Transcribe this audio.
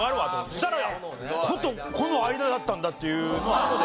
そしたら「こ」と「こ」の間だったんだっていうのをあとで。